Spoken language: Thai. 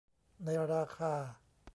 ในราคา